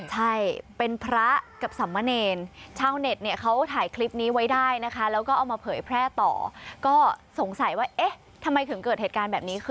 ใช่เป็นพระกับสัมมาเนร